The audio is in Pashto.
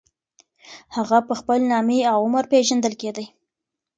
هغه په خپل نامې او عمر پېژندل کېدی.